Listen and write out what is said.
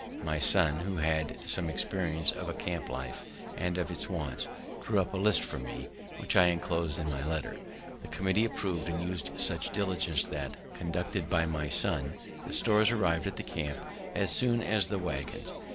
My son, who had some experience of a camp life, and of its wants, drew up a list for me, which I enclos'd in my letter. The committee approv'd, and used such diligence that, conducted by my son, the stores arrived at the camp as soon as the waggons.